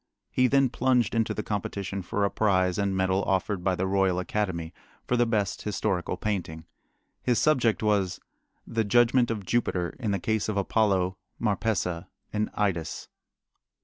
He then plunged into the competition for a prize and medal offered by the Royal Academy for the best historical painting. His subject was, "The Judgment of Jupiter in the Case of Apollo, Marpessa, and Idas."